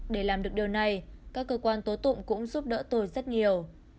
để làm được điều này các cơ quan tố tụng cũng giúp đỡ tôi rất nhiều